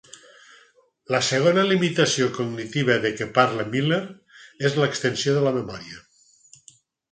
La segona limitació cognitiva de què parla Miller és l'extensió de la memòria.